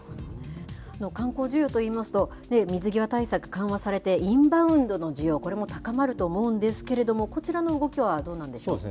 観光需要といいますと、水際対策緩和されて、インバウンドの需要、これも高まると思うんですけれども、こちらの動きはどうなんでしょうか。